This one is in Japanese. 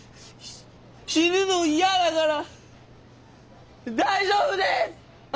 死ぬの嫌だから大丈夫です！